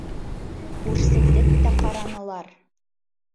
Үрсетеп тә ҡаранылар.